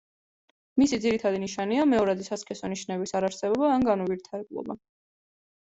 მისი ძირითადი ნიშანია მეორადი სასქესო ნიშნების არარსებობა ან განუვითარებლობა.